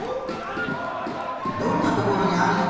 どんなところにあるのかな。